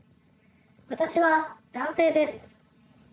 私は男性です。